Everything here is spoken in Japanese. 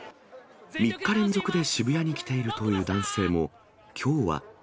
３日連続で渋谷に来ているという男性も、きょうは。